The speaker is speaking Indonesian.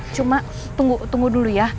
cuma tunggu dulu ya